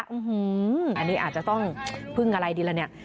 อันนี้อาจจะต้องพึ่งอะไรดีล่ะเนี่ย